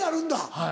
はい。